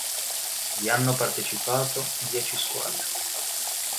Vi hanno partecipato dieci squadre.